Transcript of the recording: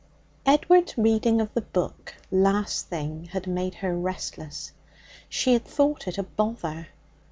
Edward's reading of the Book last thing had made her restless; she had thought it a bother.